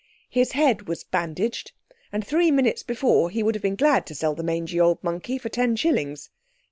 His hand was bandaged, and three minutes before he would have been glad to sell the "mangy old monkey" for ten shillings.